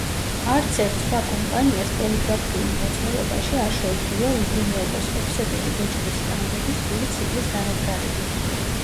არცერთ სხვა კომპანიას პოლიგრაფიულ მრეწველობაში, არ შეუძლია უზრუნველყოს ოფსეტური ბეჭდვის სტამბები სრული ციკლის დანადგარებით.